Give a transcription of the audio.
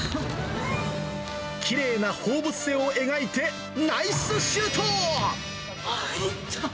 きれいな放物線を描いてナイスシュート！